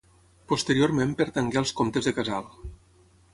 Posteriorment pertangué als comtes de Casal.